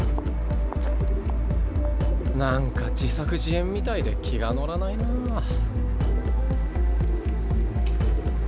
なんか自作自演みたいで気が乗らないなぁ。